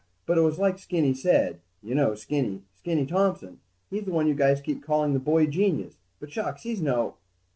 But it was like Skinny said ... You know, Skinny. Skinny Thompson. He's the one you guys keep calling the boy genius, but shucks, he's no